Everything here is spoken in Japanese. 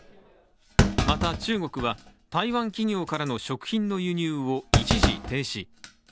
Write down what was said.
また、中国は台湾企業からの食品の輸入を一時停止。